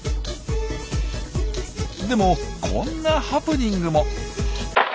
でもこんなハプニングも。